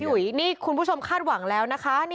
อุ๋ยนี่คุณผู้ชมคาดหวังแล้วนะคะ